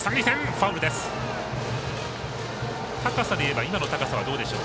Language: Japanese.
高さでいえば今の高さはどうでしょう。